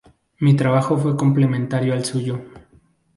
Mi trabajo fue complementario al suyo.